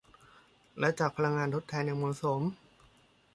และจากพลังงานทดแทนอย่างเหมาะสม